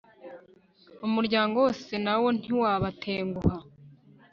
umuryango wose nawo ntiwabatenguha